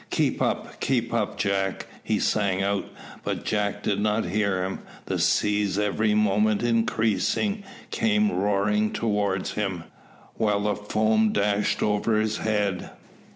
"Keep up! keep up, Jack!" he sang out, but Jack did not hear him. The seas, every moment increasing, came roaring towards him, while the foam dashed over his head.